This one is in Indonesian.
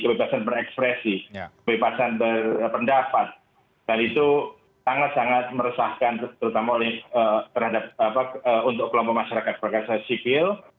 bebasan berpendapat dan itu sangat sangat meresahkan terutama terhadap untuk kelompok masyarakat berkaitan sivil